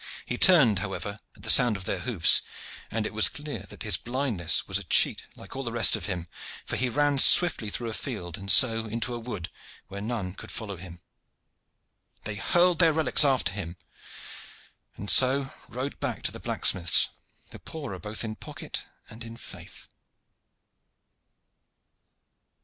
He turned, however, at the sound of their hoofs, and it was clear that his blindness was a cheat like all the rest of him, for he ran swiftly through a field and so into a wood, where none could follow him. They hurled their relics after him, and so rode back to the blacksmith's the poorer both in pocket and in faith.